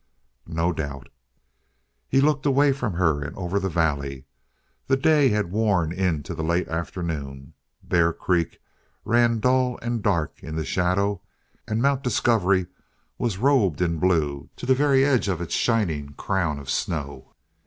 "No doubt." He looked away from her and over the valley. The day had worn into the late afternoon. Bear Creek ran dull and dark in the shadow, and Mount Discovery was robed in blue to the very edge of its shining crown of snow.